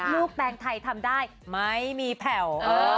แปลงไทยทำได้ไม่มีแผ่ว